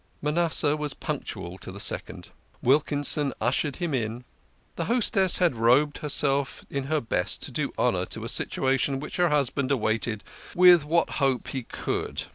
Manasseh was punctual to the second. Wilkinson ushered him in. The hostess had robed herself in her best to do honour to a situation which her husband awaited with what hope he could.